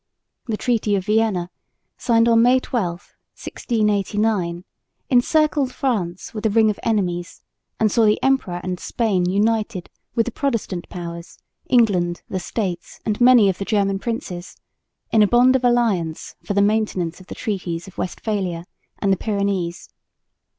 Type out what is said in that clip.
The treaty of Vienna, signed on May 12, 1689, encircled France with a ring of enemies, and saw the Emperor and Spain united with the Protestant powers, England, the States and many of the German princes in a bond of alliance for the maintenance of the treaties of Westphalia and the Pyrenees.